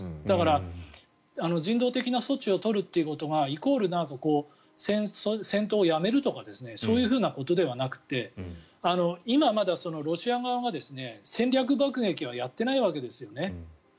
だから、人道的な措置を取るということがイコール戦闘をやめるとかそういうことではなくて今、まだロシア側が戦略爆撃はやっていないわけですよね。